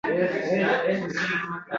Yozda-chi, Vali Qonqusda oqib ketay degan.